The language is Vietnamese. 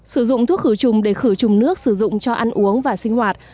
sử dụng thuốc khử trùng để khử trùng nước sử dụng cho ăn uống và sinh hoạt